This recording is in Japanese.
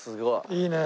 いいね。